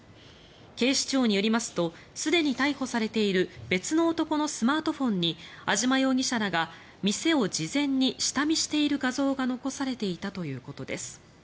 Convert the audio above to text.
警視庁によりますとすでに逮捕されている別の男のスマートフォンに安島容疑者らが店を事前に下見している画像が残されていたということです。